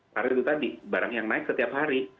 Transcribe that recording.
karena itu tadi barang yang naik setiap hari